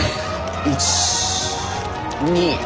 １２。